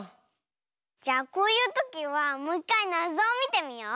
じゃこういうときはもういっかいなぞをみてみよう。